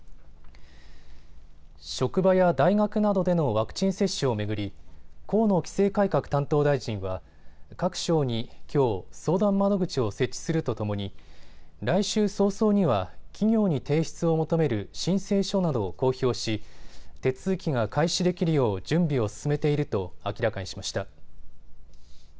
職場や大学などでのワクチン接種を巡り河野規制改革担当大臣は各省にきょう相談窓口を設置するとともに来週早々には企業に提出を求める申請書などを公表し、手続きが開始できるよう準備を進めていると明らかにしました。